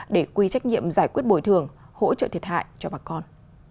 để quy trách nhiệm giải quyết bồi thường hỗ trợ thiệt hại cho bà con